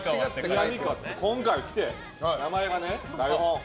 今回来て、名前がね。